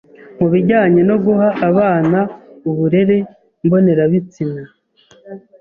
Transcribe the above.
mu bijyanye no guha abana uburere mbonerabitsina